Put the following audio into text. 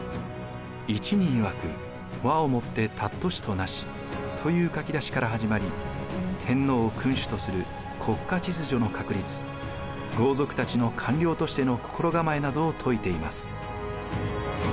「一に曰く和を以って貴しとなし」という書き出しから始まり天皇を君主とする国家秩序の確立豪族たちの官僚としての心構えなどを説いています。